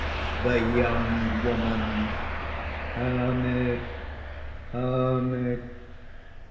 THE YOUNG WOMAN. "Hermit! hermit!